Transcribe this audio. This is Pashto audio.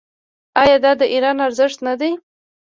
آیا دا د ایران ارزښت نه دی؟